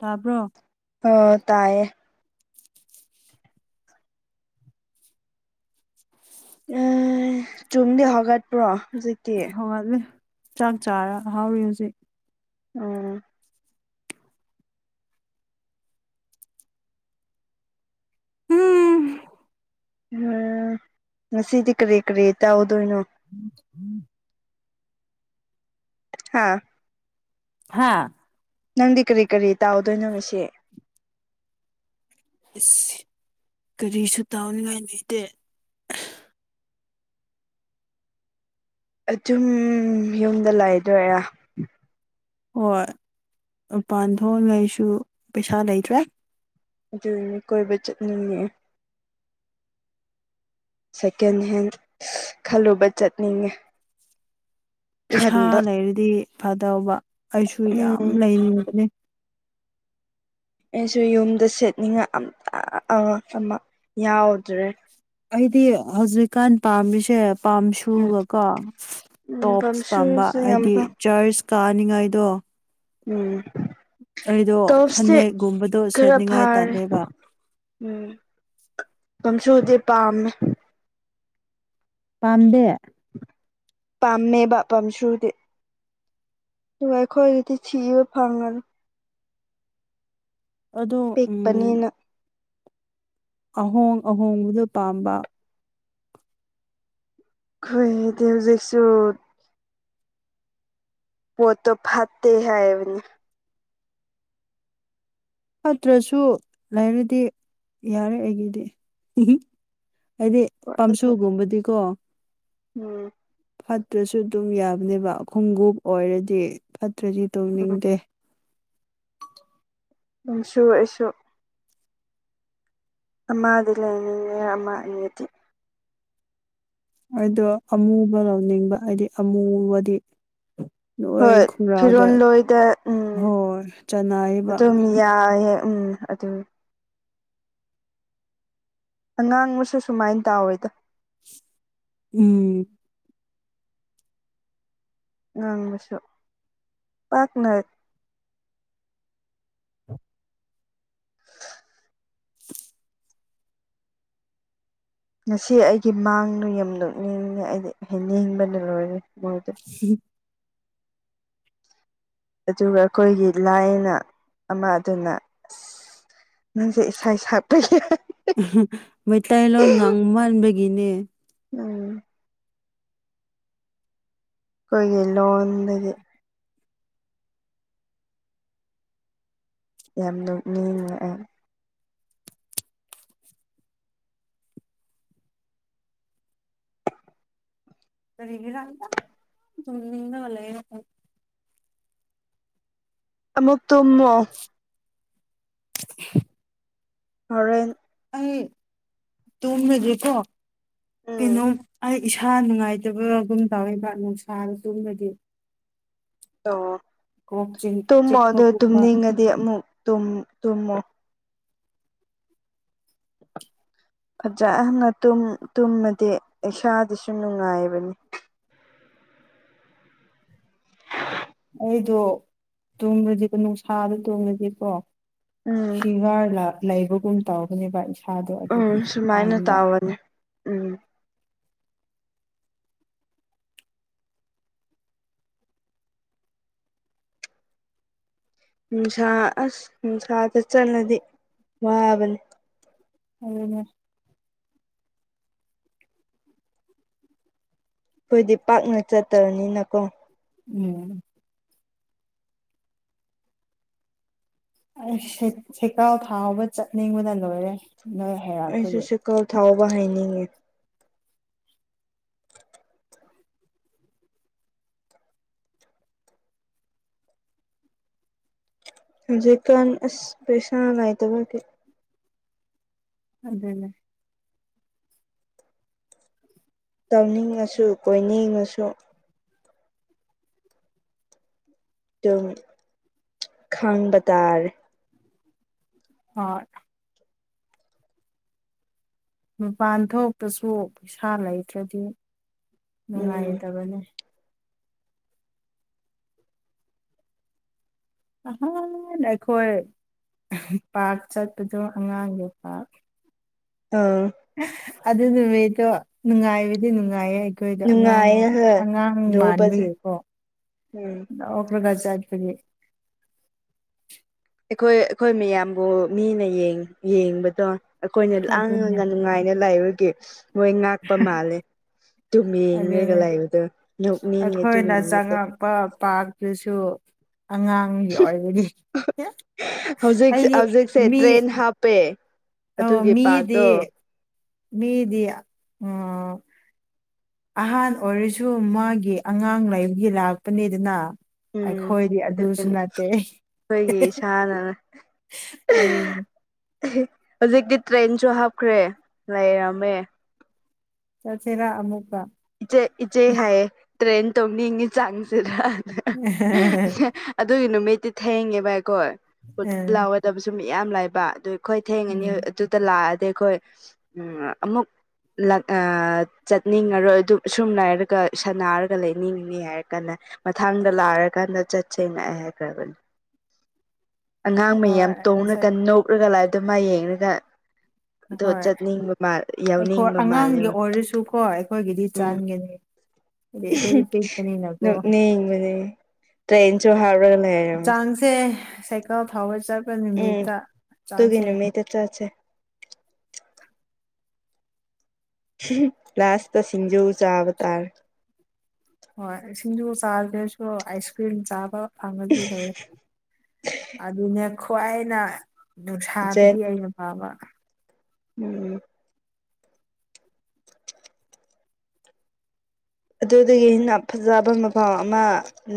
ꯇꯥꯕ꯭ꯔꯣ ꯇꯥꯌꯦ ꯑꯦ ꯆꯨꯝꯗꯤ ꯍꯧꯒꯠꯄ꯭ꯔꯣ ꯍꯧꯖꯤꯛ ꯍꯧꯒꯠꯂꯦ ꯆꯥꯛ ꯆꯥꯔꯥ ꯍꯥꯎꯔꯤ ꯍꯧꯖꯤꯛ ꯎꯝ ꯎꯝ ꯎꯝ ꯉꯁꯤꯗꯤ ꯀꯔꯤ ꯀꯔꯤ ꯇꯥꯎꯗꯣꯏꯅꯣ ꯎꯝ ꯎꯝ ꯍꯥꯥ ꯍꯥꯥ ꯅꯪꯗꯤ ꯀꯔꯤ ꯀꯔꯤ ꯇꯥꯎꯗꯣꯏꯅꯣ ꯉꯁꯤ ꯑꯁ ꯀꯔꯤꯁꯨ ꯇꯧꯅꯤꯡꯉꯥꯏ ꯂꯩꯇꯦ ꯑꯨꯝ ꯌꯨꯝꯗ ꯂꯩꯥꯛꯗꯣꯏꯔꯥ ꯍꯣꯏ ꯄꯥꯟ ꯊꯣꯡꯉꯩꯁꯨ ꯄꯩꯁꯥ ꯂꯩꯇ꯭ꯔꯦ ꯑꯗꯨ ꯀꯣꯏ ꯆꯠ ꯅꯌꯦ ꯁꯦꯀꯦꯟ ꯍꯦꯟ ꯈꯜꯂꯨꯕ ꯆꯠꯅꯤꯡꯉꯤ ꯄꯩꯁꯥ ꯂꯩꯔꯗꯤ ꯐꯗꯕ ꯑꯩꯁꯨ ꯌꯥꯝ ꯎꯝ ꯂꯩꯅꯤꯡꯕꯅꯤ ꯑꯩꯁꯨ ꯌꯨꯝꯗ ꯁꯦꯠꯅꯤꯡꯉ ꯑ ꯑꯉ ꯌꯥꯎꯗ꯭ꯔꯦ ꯑꯩꯗꯤ ꯍꯧꯖꯤꯛꯀꯥꯟ ꯄꯥꯝꯃꯤꯁꯦ ꯎꯝ ꯄꯥꯝꯁꯨꯒꯀꯣ ꯎꯝ ꯄꯝ ꯇꯣꯞꯁ ꯄꯥꯝꯕ ꯁꯨꯁꯨ ꯌꯥꯝ ꯍꯥꯏꯗꯤ ꯆꯔꯆ ꯀꯥꯅꯤꯡꯉꯥꯏꯗꯣ ꯎꯝ ꯑꯩꯗꯣ ꯇꯣꯞꯁꯇꯤ ꯐꯅꯦꯛꯒꯨꯝꯕꯗꯣ ꯈꯔ ꯁꯦꯠꯅꯤꯉꯥꯏ ꯐꯥꯔꯦ ꯇꯥꯂꯦꯕ ꯎꯝ ꯑꯗꯨꯝꯁꯨꯗꯤ ꯄꯥꯝꯃꯦ ꯄꯥꯝꯕꯦ ꯄꯥꯝꯃꯦꯕ ꯄꯝ ꯁꯨꯗꯤ ꯇꯨꯡ ꯑꯩꯈꯣꯏꯗꯤ ꯁꯤꯕ ꯐꯥꯉꯔ ꯑꯗꯣ ꯎꯝ ꯄꯤꯛꯄꯅꯤꯅ ꯑꯍꯣꯡ ꯑꯍꯣꯡꯕꯗꯨ ꯄꯥꯝꯕ ꯈꯣꯏ ꯇ ꯍꯧꯖꯦꯛꯁꯨꯁꯨ ꯑꯣ ꯇꯣ ꯐꯠꯇꯠꯇ ꯍꯥꯏꯕꯅꯤ ꯅꯠꯇ꯭ꯔꯁꯨ ꯂꯩꯔꯗꯤ ꯌꯥꯔꯦ ꯑꯩꯒꯤꯗꯤ ꯍꯥꯏꯗꯤ ꯄꯥꯝꯁꯨꯒꯨꯝꯕꯗꯤꯀꯣ ꯎꯝ ꯐꯠꯇ꯭ꯔꯁꯨ ꯑꯗꯨꯝ ꯌꯥꯕꯅꯦꯕ ꯈꯣꯡꯎꯞ ꯑꯣꯏꯔꯗꯤ ꯗ꯭ꯔꯖꯤ ꯇꯣꯡꯅꯤꯡꯗꯦ ꯎꯝꯁꯨ ꯑꯩꯁꯨ ꯑꯃꯗꯤ ꯂꯩꯅꯤꯡꯉꯦ ꯑꯃ ꯑꯅꯤꯗꯤ ꯑꯩꯗꯣ ꯑꯃꯨꯕ ꯂꯧꯅꯤꯡꯕ ꯍꯥꯏꯗꯤ ꯑꯃꯨꯕꯗꯤ ꯅꯣꯏ ꯍꯣꯏ ꯐꯤꯔꯣ ꯈꯨꯡꯒ꯭ꯔꯥꯎꯗ ꯂꯣꯏꯗ ꯎꯝ ꯍꯣꯏ ꯆꯅꯥꯏꯕ ꯑꯗꯨꯝ ꯌꯥꯏꯑꯦ ꯎꯝ ꯑꯗꯨ ꯑꯉꯥꯡ ꯑꯃꯁꯁꯨ ꯁꯨꯃꯥꯏꯅ ꯇꯥꯎꯋꯦꯗ ꯎꯝ ꯉꯥꯡꯕꯁꯨ ꯄꯥꯛꯅꯏꯠ ꯉꯁꯤ ꯑꯩꯒꯤ ꯃꯥꯡꯗꯣ ꯌꯗꯣꯛꯅꯤꯡꯉꯦ ꯑꯩꯗꯤ ꯅꯤꯡꯡꯕꯅ ꯂꯣꯏꯔꯦ ꯍꯗ ꯑꯗꯨꯒ ꯑꯩꯈꯣꯏꯒꯤ ꯂꯥꯏꯅ ꯑꯃ ꯑꯗꯨꯅ ꯑ ꯅꯪꯁꯦ ꯏꯁ ꯏꯁꯥ ꯁꯥꯥ ꯐꯩ ꯃꯩꯇꯩꯂꯣꯟ ꯉꯥꯡꯕ ꯃꯥꯟꯕꯒꯤꯅꯦ ꯎꯝ ꯑꯩꯈꯣꯏꯒꯤ ꯂꯣꯟꯗꯒꯤ ꯌꯥꯝ ꯅꯣꯛꯅꯤꯡꯉ ꯑ ꯀꯔꯤꯒꯤꯔꯗꯗ ꯍꯂꯒ ꯑꯃꯨꯛꯛꯇꯃꯣ [inaudible] ꯍꯔ ꯇꯨꯀꯣ ꯎꯝ ꯀꯩꯅꯣ ꯏꯁꯥ ꯅꯨꯡꯉꯥꯏꯇꯕꯒꯨꯝ ꯇꯎꯕ ꯅꯨꯡꯁꯥꯅ ꯆꯨꯝꯕꯗꯤ ꯑꯣ ꯆꯤꯛ ꯇꯨꯝꯃꯣ ꯑꯗꯣ ꯆꯤꯛꯄꯒꯨꯝꯕ ꯇꯨꯝꯅꯤꯡꯉꯗꯤ ꯑꯃꯨꯛ ꯇꯨꯝ ꯇꯨꯝꯃꯣ꯫ ꯐꯖꯅ ꯇꯨꯝ ꯇꯨꯝꯃꯗꯤ ꯏꯁꯥꯗꯁꯨ ꯅꯨꯡꯉꯥꯏꯕꯅꯤ꯫ ꯑꯩꯗꯣ ꯇꯨꯝꯕꯗꯤꯀꯣ ꯅꯨꯡꯁꯥꯗ ꯇꯨꯝꯕꯗꯤꯀꯣ ꯎꯝ ꯐꯤꯚꯔ ꯂꯩꯕꯒꯨꯝ ꯇꯧꯔꯛꯀꯅꯤꯕ ꯑꯩꯁ ꯊꯥꯗꯣ ꯑꯗꯨꯗꯤ ꯎꯝ [unintelligible] ꯁꯨꯃꯥꯏꯅ ꯇꯧꯕꯅꯦ ꯎꯝ ꯅꯨꯡꯁꯥ ꯑꯁ ꯅꯨꯡꯁꯥꯗ ꯆꯠꯂꯗꯤ ꯋꯥꯕꯅꯤ ꯑꯗꯨꯅꯦ ꯑꯩꯈꯣꯏꯗꯤ ꯄꯥꯛꯅ ꯆꯠꯇꯕꯅꯤꯅꯀꯣ ꯎꯝ ꯑꯩ ꯁꯦꯀꯥꯎ ꯊꯥꯎꯕ ꯆꯠꯅꯤꯡꯕꯅ ꯂꯣꯏꯔꯦ ꯅꯣꯏ ꯑꯩꯁꯨ ꯍꯩꯔꯛꯄꯒꯤ ꯁꯦꯀꯥꯎ ꯊꯧꯕ ꯍꯩꯅꯤꯡꯉꯦ꯫ ꯍꯧꯖꯤꯛꯀꯥꯟ ꯑꯁ ꯄꯩꯁꯥ ꯂꯩꯇꯕꯒꯤ ꯑꯗꯨꯅꯦ ꯇꯧꯅꯤꯡꯉꯁꯨ ꯀꯣꯏꯅꯤꯡꯉꯁꯨ ꯑꯗꯨꯝ ꯈꯥꯡꯕ ꯇꯥꯔꯦ ꯍꯣꯏ ꯃꯄꯥꯟ ꯊꯣꯛꯇꯁꯨ ꯄꯩꯁꯥ ꯂꯩꯇ꯭ꯔꯗꯤ ꯎꯝ ꯅꯨꯉꯥꯏꯇꯕꯅꯦ [unintelligible] ꯄꯥꯛ ꯆꯠꯄꯗꯣ ꯑꯉꯥꯡꯒꯤ ꯄꯥꯛ ꯑꯥ ꯑꯗꯨ ꯅꯨꯃꯤꯠꯇꯣ ꯅꯨꯡꯉꯥꯏꯕꯗꯤ ꯅꯨꯡꯉꯥꯏꯌꯦ ꯑꯩꯈꯣꯏꯗ ꯑꯉꯥꯡ ꯅꯨꯡꯉꯥꯏꯌꯦ ꯍ ꯑꯉꯥꯡ ꯂꯨꯕꯁꯦ ꯃꯥꯟꯕꯒꯤꯀꯣ ꯎꯝ [unintelligible] ꯆꯠꯄꯒꯤ ꯑꯩꯈꯣꯏ ꯑꯩꯈꯣꯏ ꯃꯌꯥꯝꯕꯨ ꯃꯤꯅ ꯌꯦꯡ ꯌꯦꯡꯕꯗꯣ ꯑꯩꯈꯣꯏꯅ ꯑꯗꯨꯅꯦ ꯂꯥꯡꯉꯒ ꯅꯨꯡꯉꯥꯏꯅ ꯂꯩꯥꯏꯕꯒꯤ ꯃꯣꯏ ꯉꯥꯛꯄ ꯃꯥꯜꯂꯦ ꯑ ꯗꯨꯝ ꯌꯦꯡꯉꯒ ꯑꯗꯨꯅꯦ ꯂꯩꯕꯗꯣ ꯅꯣꯛꯅꯤꯡꯉꯦ ꯑꯗꯨꯨꯒꯤ ꯑꯩꯈꯣꯏꯅ ꯅꯨꯃꯤꯠꯇꯣ ꯆꯪꯉꯛꯄ ꯄꯥꯔꯛꯇꯨꯁꯨ ꯑꯉꯥꯡꯒꯤ ꯑꯣꯏꯕꯒꯤ ꯍꯧꯖꯤꯛ ꯑꯩꯗꯤ ꯍꯧꯖꯤꯛꯁꯦ ꯃꯤ ꯇ꯭ꯔꯦꯟ ꯍꯥꯞꯄꯦ ꯑ ꯑꯗꯨꯒꯤ ꯃꯤꯗꯤ ꯄꯥꯔꯛꯇꯣ ꯃꯤꯗꯤ ꯑ ꯑꯍꯥꯟ ꯑꯣꯏꯔꯁꯨ ꯃꯥꯒꯤ ꯑꯉꯥꯡ ꯂꯩꯕꯒꯤ ꯂꯥꯛꯄꯅꯤꯗꯅ ꯎꯝ ꯑꯩꯈꯣꯏꯗꯤ ꯑꯗꯨꯒꯤꯅꯦ ꯑꯗꯨꯁꯨ ꯅꯠꯇꯦ ꯑꯩꯈꯣꯏꯒꯤ ꯏꯁꯥꯅ ꯑꯗꯨꯅꯦ ꯍꯧꯖꯤꯛꯇꯤ ꯇ꯭ꯔꯦꯟꯁꯨ ꯍꯥꯞꯈ꯭ꯔꯦ ꯂꯩꯔꯝꯃꯦ ꯆꯦꯔꯥ ꯑꯃꯨꯛ ꯏꯆꯦ ꯏꯆꯦ ꯍꯥꯏꯌꯦ ꯇ꯭ꯔꯦꯟ ꯇꯣꯡꯅꯤꯡꯉꯤ ꯆꯥꯡꯗꯨꯒ ꯑꯗꯨꯒꯤ ꯅꯨꯃꯤꯠ ꯤ ꯊꯦꯡꯉꯦꯕ ꯑꯩꯈꯣꯏ ꯍꯣꯇ ꯎꯝ ꯂꯥꯎꯒꯗꯕꯁꯨ ꯃꯌꯥꯝ ꯂꯩꯥꯕ ꯑꯗꯨ ꯑꯩꯈꯣꯏ ꯊꯦꯡꯉꯅꯤ ꯑꯗꯨꯗ ꯂꯥꯛꯑꯗꯤ ꯑ ꯈꯣꯏ ꯑꯩꯈꯣꯏ ꯑꯃꯨꯛ ꯆꯠꯅꯤꯡꯉꯔꯣꯏ ꯑꯗꯨ ꯁꯨꯝ ꯅꯥꯏꯔꯒ ꯁꯥꯟꯅꯔꯒ ꯂꯩꯅꯤꯡꯅꯤ ꯍꯥꯏꯔ ꯀꯥꯟꯗ ꯃꯊꯪꯗ [unintelligible] ꯆꯠꯁꯦꯅ [unintelligible] ꯑꯉꯥꯡ ꯃꯌꯥꯝ ꯍꯣꯏ ꯇꯣꯡꯉꯒ ꯅꯣꯛꯂꯒ ꯂꯥꯏꯏꯗꯣ ꯃꯥ ꯌꯦꯡꯉꯒ ꯑꯗꯣ ꯍꯣꯏ ꯆꯠꯅꯤꯡꯕ ꯃꯥ ꯑꯩꯈꯣꯏ ꯌꯥꯎꯅꯤꯡꯕ ꯑꯉꯥꯡꯒꯤ ꯃꯥꯜꯂꯦꯕ ꯑꯣꯏꯔꯁꯨꯀꯣ ꯑꯩꯈꯣꯏꯒꯤꯗꯤ ꯎꯝ ꯆꯥꯟꯒꯅꯤ ꯍꯥꯏꯗꯤ ꯑꯩꯈꯣꯏꯗꯤ ꯄꯤꯛꯄꯅꯤꯅꯀꯣ ꯅꯣꯛꯅꯤꯡꯕꯅꯦ ꯇ꯭ꯔꯦꯟꯁꯨ [unintelligible] ꯆꯥꯡꯁꯦ ꯁꯥꯏꯀꯜ ꯐꯥꯎꯕ ꯆꯠꯄ ꯎꯝ ꯅꯨꯃꯤꯠꯇ ꯑꯗꯨꯒꯤ ꯆꯥꯡꯁꯦ ꯅꯨꯃꯤꯠꯇ ꯆꯠꯁꯦ ꯂꯥꯁꯇ ꯁꯤꯡꯖꯨ ꯆꯥꯕ ꯇꯥꯔꯦ꯫ ꯍꯣꯏ ꯁꯤꯡꯖꯨ ꯆꯥꯗ꯭ꯔꯁꯨ ꯑꯥꯏꯁꯀ꯭ꯔꯤꯝ ꯆꯥꯕ ꯐꯪꯉꯗꯤ ꯂꯣꯏꯔꯦ ꯑꯗꯨꯅꯦ ꯈ꯭ꯋꯥꯏꯅ ꯖꯦꯠ ꯅꯨꯡꯁꯥꯗꯨꯗꯤ ꯑꯩꯅ ꯄꯥꯕ ꯎꯝ ꯑꯗꯨꯗꯒꯤ ꯑꯩꯅ ꯐꯖꯕ ꯃꯐꯝꯥꯎ ꯑꯃ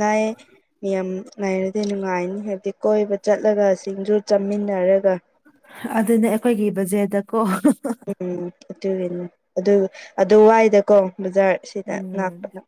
ꯂꯩꯅꯥ ꯃꯤ ꯌꯥꯝ ꯉꯥꯏꯔꯗꯤ ꯅꯨꯡꯉꯥꯏꯅꯤ ꯍꯥꯏꯕꯗꯤ ꯀꯣꯏꯕ ꯆꯠꯂꯒ ꯁꯤꯡꯁꯨ ꯆꯥꯃꯤꯟꯅꯔꯒ ꯑꯗꯨꯅꯦ ꯑꯩꯈꯣꯏꯒꯤ ꯕꯖꯦꯠꯇ ꯀꯣ ꯎꯝ ꯑꯗꯨꯅꯦ ꯑꯗꯨ ꯑꯗꯨ ꯋꯥꯏꯗꯀꯣ ꯕꯖꯥꯔ ꯁꯤꯗ ꯎꯝ ꯂꯥꯛꯄꯗ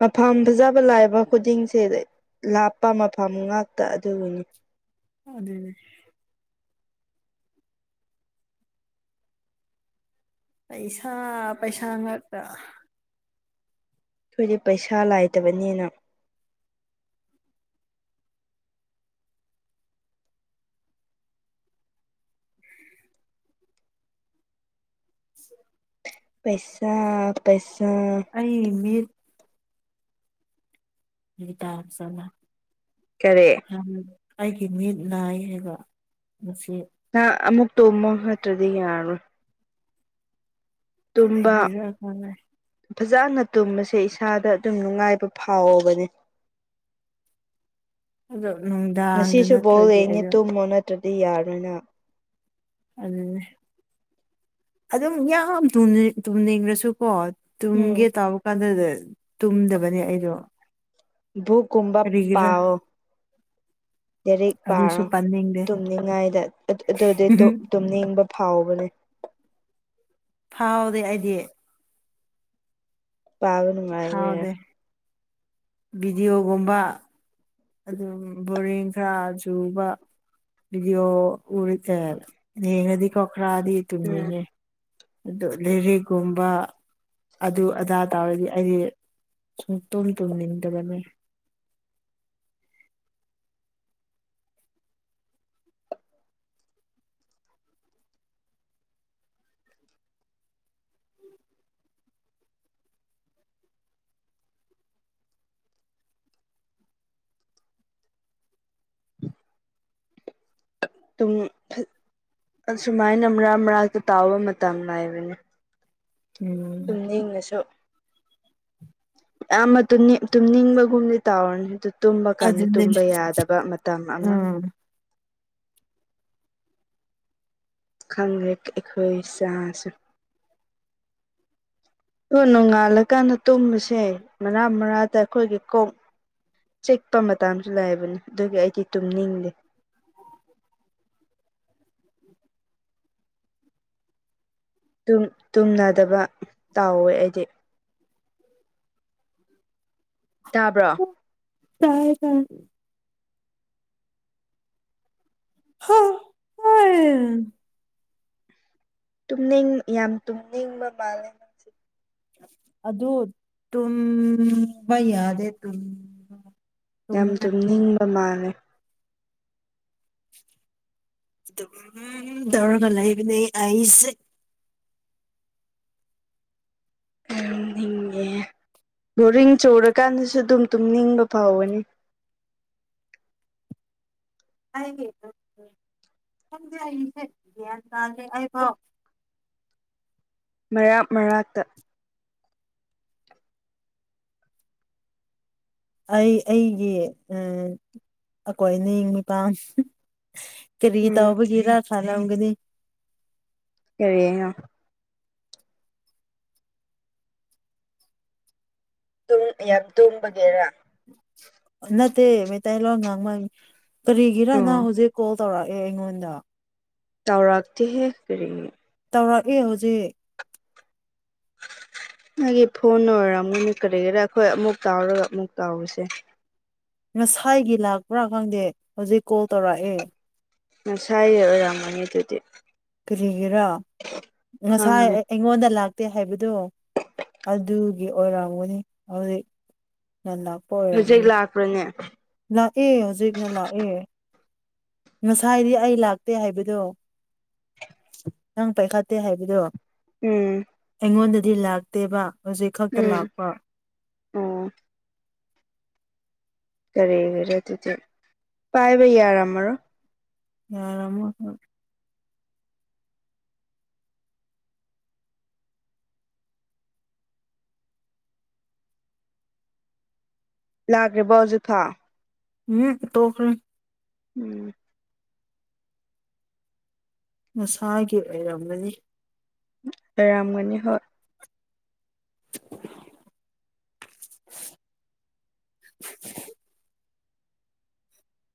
ꯃꯐꯝ ꯐꯖꯕ ꯂꯥꯛꯏꯕ ꯈꯨꯗꯤꯡꯁꯦ ꯂꯥꯞꯄ ꯃꯐꯝ ꯉꯥꯛꯇ ꯑꯗꯨꯕꯨꯅꯤ ꯑꯗꯦ [inaudible] ꯄꯩꯁꯥ ꯄꯩꯁꯥ ꯉꯥꯛꯇ ꯑꯩꯣꯏꯗꯤ ꯄꯩꯁꯥ ꯂꯥꯏꯇꯕꯅꯤꯅ ꯄꯩꯁꯥ ꯄꯩꯁꯥ ꯑꯩ ꯃꯤꯠ ꯇꯔ ꯆꯂ ꯀꯔꯤ ꯑꯩꯒꯤ ꯃꯤꯠ ꯅꯥꯏ ꯍꯥꯏꯕ ꯉꯁꯤ ꯉ ꯑꯃꯨꯛ ꯇꯣꯃ ꯈꯛꯇ꯭ꯔꯗꯤ ꯌꯥꯔꯣꯏ ꯇꯨꯝꯕ ꯀꯔꯤꯖꯥ [unintelligible] ꯐꯖꯅ ꯇꯨꯝꯕꯁꯦ ꯏꯁꯥꯗ ꯑꯗꯨꯝ ꯅꯨꯡꯉꯥꯏꯕ ꯐꯥꯎꯕꯅꯤ ꯑꯗꯣ ꯅꯨꯡꯗꯥꯡꯗ ꯉꯁꯤꯁꯨ ꯕꯣꯜ ꯅꯠꯇ꯭ꯔꯗꯤ ꯌꯦꯡꯉꯤ ꯑꯩꯗꯣ ꯇꯨꯝꯃꯣ ꯅꯠꯇ꯭ꯔꯗꯤ ꯌꯥꯔꯣꯏꯅ ꯑꯗꯨ ꯑꯗꯨꯝ ꯌꯥꯝ ꯇꯨꯝꯅꯤꯡꯈ꯭ꯔꯁꯨꯀꯣ ꯎꯝ ꯇꯨꯝꯒꯦ ꯇꯥꯕ ꯀꯥꯟꯗꯗ ꯇꯨꯝꯗꯕꯅꯦ ꯑꯩꯗꯣ ꯨ ꯀꯨꯝꯕ ꯀꯔꯤꯒꯤꯔꯥ ꯄꯑꯣ ꯂꯗꯥꯏꯔꯤꯛ ꯑꯗꯨꯁꯨ ꯄꯥꯔꯣ ꯄꯥꯅꯤꯡꯗꯦ ꯇꯨꯝꯅꯤꯡꯉꯥꯏꯗ ꯑꯗꯨꯗꯤ ꯇꯨꯝꯅꯤꯡꯕ ꯊꯥꯎꯕꯅꯦ ꯐꯥꯎꯗꯤ ꯑꯩꯗꯤ ꯄꯥꯕꯅꯅꯨꯡꯉꯥꯏꯕꯦ ꯐꯥꯎꯗꯦ ꯚꯤꯗꯤꯑꯣꯒꯨꯝꯕ ꯑꯗꯨꯝ ꯕꯣꯔꯡ ꯈꯔ ꯆꯨꯕ ꯏꯗꯤꯑꯣ ꯎꯇꯔ ꯅꯉꯗꯤ ꯀꯣꯈ꯭ꯔꯥꯗꯤ ꯎꯝ ꯏꯇꯨꯅꯤꯉꯦ ꯑꯗꯨ ꯂꯤꯔꯤꯛꯀꯨꯝꯕ ꯑꯗꯨ ꯑꯗꯥ ꯇꯥꯔꯗꯤ ꯑꯩꯗꯤ ꯁ ꯇꯨꯝ ꯇꯨꯝꯅꯤꯗꯗꯃꯦ ꯎꯝ [inaudible] ꯑꯗꯨꯨꯡ ꯑꯁꯨꯃꯥꯏꯅ ꯃꯔꯛ ꯃꯔꯛꯇ ꯇꯥꯎꯕ ꯃꯇꯝ ꯍꯥꯏꯥꯏꯕꯅꯤ ꯎꯝ ꯇꯨꯝꯅꯤꯡꯅꯁꯨ ꯌꯥꯝꯌꯥꯝꯕ ꯇꯨꯝ ꯅꯤꯡꯕꯒꯨꯝꯗꯤ ꯇꯥꯔꯅꯤ ꯑꯗꯨ ꯇꯨꯝꯕ ꯀꯥꯟꯗ ꯑꯗꯨꯅꯦ ꯇꯨꯝꯕ ꯌꯥꯗꯕ ꯃꯇꯝ ꯑꯃ ꯎꯝ ꯈꯪꯗ ꯑꯩꯈꯣꯏ ꯆꯥꯁ ꯅꯣꯡꯉꯥꯜꯂꯀꯥꯟꯗ ꯇꯨꯝꯕꯁꯦ ꯃꯔꯅꯥ ꯃꯔꯥꯗ ꯑꯩꯈꯣꯏꯒꯤ ꯀꯣꯛ ꯆꯤꯛꯄ ꯃꯇꯁꯨ ꯂꯩꯕꯅꯤ ꯑꯗꯨꯒꯤ ꯑꯩꯗꯤ ꯇꯨꯝꯅꯤꯡꯗꯦ [unintelligible] [inaudible] ꯇꯨꯝꯅꯗꯕ ꯇꯥꯎꯋꯦ ꯑꯩꯗꯤ ꯇꯥꯕ꯭ꯔꯣ ꯇꯥꯏ ꯍ ꯍ ꯍ [inaudible] ꯇꯨꯝꯅꯤꯡ ꯌꯥꯝ ꯇꯨꯝꯅꯤꯡꯕ ꯃꯥꯜꯂꯦ ꯃꯁ ꯑꯗꯨ ꯇꯕ ꯌꯥꯗꯦ ꯇ ꯌꯥꯝ ꯇꯨꯝꯅꯤꯡꯕ ꯃꯥꯜꯂꯦ ꯑꯗꯨꯝ ꯇꯧꯔꯒ ꯂꯩꯕꯅꯦ ꯑꯩꯁ ꯎꯦ [inaudible] ꯕꯣꯔꯤꯡ ꯆꯔꯀꯥꯟꯗꯁꯨ ꯑꯗꯨꯝ ꯇꯨꯝꯅꯤꯡꯕ ꯐꯥꯎꯒꯅꯤ ꯍꯥꯏꯒꯦꯀ ꯈꯪꯗ‌ꯦ ꯍꯌ‌ꯦꯡꯁ‌ꯦ ꯒꯌꯥꯟ ꯇꯥꯗ‌ꯦ ꯑꯩꯐꯥꯎ ꯃꯔꯔꯥ ꯃꯔꯥꯛꯇ ꯑꯩ ꯑꯩꯒꯤ ꯑ ꯑꯩꯈꯣꯏꯅ ꯃꯤꯄꯥꯟ ꯀꯔꯤ ꯎꯝ ꯇꯎꯕꯒꯤꯔ ꯈꯂꯝꯒꯅꯤ ꯀꯔꯤꯅ‌ꯣ ꯇꯨꯝ ꯌꯥꯝ ꯇꯨꯝꯕꯒꯤꯔ ꯅꯠꯇꯦ ꯃꯩꯇꯩꯂꯣꯟ ꯉꯥꯡꯕ ꯀꯔꯤꯒꯤꯔ ꯅꯪ ꯑꯣ ꯍꯧꯖꯤꯛ ꯀꯣꯜ ꯇꯧꯔꯛꯑꯦ ꯑꯩꯉꯣꯟꯗ ꯇꯥꯎꯔꯛꯇꯦꯍꯦ ꯀꯔꯤꯅꯦ ꯇꯧꯔꯛꯑꯦ ꯍꯧꯖꯤꯛ [unintelligible] ꯅꯪꯒꯤ ꯐꯣꯟ ꯑꯣꯏꯔꯝꯒꯅꯤ ꯀꯔꯤꯒꯤꯔꯥ ꯑꯩꯈꯣꯏ ꯑꯃꯨꯛ ꯇꯥꯎꯔꯒ ꯑꯃꯨꯛ ꯇꯥꯎꯕꯁꯦ ꯉꯁꯥꯏꯒꯤ ꯂꯥꯛꯄ꯭ꯔꯥ ꯈꯪꯗꯦ ꯍꯧꯖꯤꯛ ꯀꯣꯜ ꯇꯧꯔꯛꯑꯦ ꯉꯁꯥꯏ ꯑꯣꯏꯔꯝꯒꯅꯤ ꯑꯗꯨꯗꯤ ꯀꯔꯤꯒꯤꯔꯥ ꯉꯁꯥꯏ ꯈꯪꯗꯦ ꯑꯩꯉꯣꯟꯗ ꯆꯛꯇꯦ ꯍꯥꯏꯕꯗꯣ ꯑꯗꯨꯒꯤ ꯑꯣꯏꯔꯝꯒꯅꯤ ꯍꯧꯖꯤꯛ ꯅ ꯂꯥꯛꯄ ꯍꯧꯖꯤꯛ ꯑꯣꯏꯔꯝꯒꯅꯤ ꯂꯥꯛꯄ꯭ꯔꯅꯦ ꯂꯥꯛꯑꯦ ꯍꯧꯖꯤꯛꯅ ꯂꯥꯛꯑꯦ ꯉꯁꯥꯏꯗꯤ ꯑꯩ ꯂꯥꯛꯇꯦ ꯍꯥꯏꯕꯗꯣ ꯅꯪ ꯄꯥꯏꯈꯥꯠꯇꯦ ꯍꯥꯏꯕꯗꯣ ꯎꯝ ꯑꯩꯉꯣꯟꯗꯗꯤ ꯂꯥꯛꯇꯦꯕ ꯍꯧꯖꯤꯛ ꯈꯛꯇ ꯎꯝ ꯂꯥꯛꯄ ꯑꯣ ꯀꯔꯦ ꯑꯣꯏꯔꯦ ꯑꯗꯨꯗꯤ ꯄꯥꯏꯕ ꯌꯥꯔꯝꯃꯔꯣꯏ ꯌꯥꯔꯝꯃ‌ꯣꯏ ꯂꯥꯛꯈꯔꯤ ꯕꯣ ꯍꯧꯖꯤꯛ ꯐꯥꯎ ꯍꯡ ꯇꯣꯈꯔꯤ ꯎꯝ ꯉꯁꯥꯒꯤ ꯑꯣꯏꯔꯝꯒꯅꯤ ꯑꯣꯏꯔꯝꯒꯅꯤ ꯍꯣꯏ